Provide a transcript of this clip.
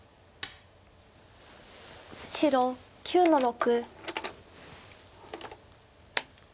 白９の六。